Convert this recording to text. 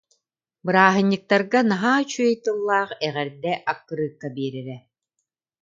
Бырааһынньыктарга наһаа үчүгэй тыллаах эҕэрдэ аккырыыкка биэрэрэ